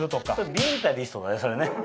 ビンタリストだねそれね。